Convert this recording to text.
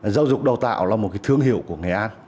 giáo dục đào tạo là một cái thương hiệu của nghệ an